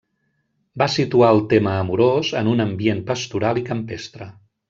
Va situar el tema amorós en un ambient pastoral i campestre.